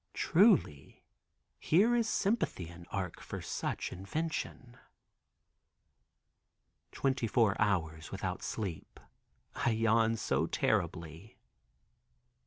Truly here is sympathy in Arc for such invention. Twenty four hours without sleep. I yawn so terribly.